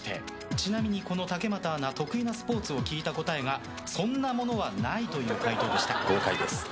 ちなみに竹俣アナ得意なスポーツを聞いた答えがそんなものはないという回答でした。